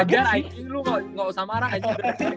wajahlah anjing lo gak usah marah anjing